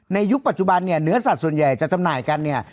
ยุคปัจจุบันเนี่ยเนื้อสัตว์ส่วนใหญ่จะจำหน่ายกันเนี่ย